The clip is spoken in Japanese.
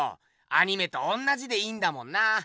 アニメとおんなじでいいんだもんな。